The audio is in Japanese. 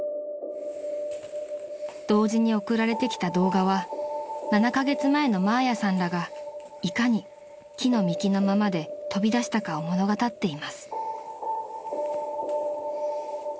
［同時に送られてきた動画は７カ月前のマーヤさんらがいかに着の身着のままで飛び出したかを物語っています］